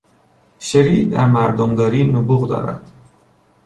شری در مردمداری نبوغ دارد.